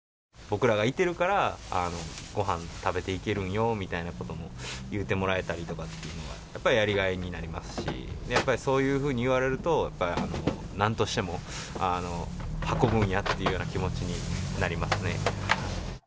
僕らがいてるから、ごはん食べていけるんよみたいなことも言ってもらえたりとかっていうのは、やっぱりやりがいになりますし、やっぱりそういうふうに言われると、やっぱりなんとしても運ぶんやっていうような気持ちになりますね。